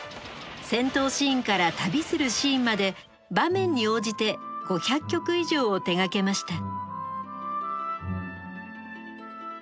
戦闘シーンから旅するシーンまで場面に応じて５００曲以上を手がけました。